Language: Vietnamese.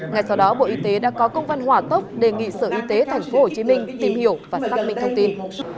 ngay sau đó bộ y tế đã có công văn hỏa tốc đề nghị sở y tế tp hcm tìm hiểu và xác minh thông tin